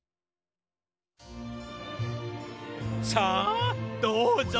さあどうぞ！